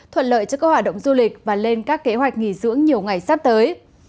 thuận lợi cho các hoạt động du lịch và lên các kế hoạch nghỉ dưỡng nhiều ngày sắp tới